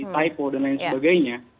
typo dan lain sebagainya